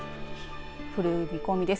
降る見込みです。